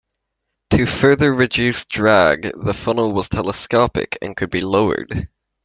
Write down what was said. To further reduce drag, the funnel was telescopic and could be lowered.